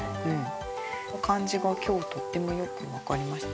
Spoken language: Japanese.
その感じが今日とってもよく分かりました。